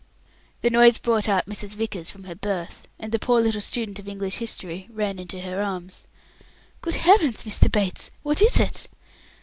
The noise brought out Mrs. Vickers from her berth, and the poor little student of English history ran into her arms. "Good Heavens, Mr. Bates, what is it?"